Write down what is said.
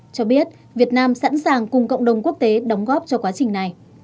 cho biết việt nam sẵn sàng cùng cộng đồng quốc tế đóng góp cho quá trình này